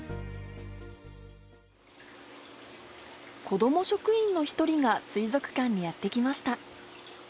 子ども職員の一人が水族館にやって来ました。